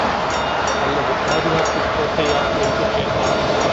அல்லது பாதுகாப்புக் கோட்டையா என்று கேட்டான்.